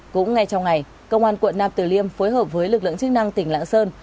cũng ngay trong ngày công an quận nam tử liêm phối hợp với lực lượng chức năng tỉnh lạng sơn